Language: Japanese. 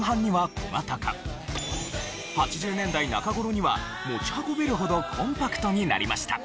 ８０年代中頃には持ち運べるほどコンパクトになりました。